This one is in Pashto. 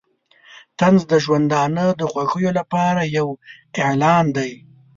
طنز د ژوندانه د خوښیو لپاره یو اعلان دی.